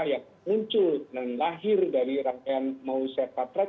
yang muncul dan lahir dari rangkaian mausaih patrick